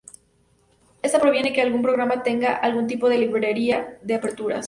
Esto previene que algún programa tenga algún tipo de librería de aperturas.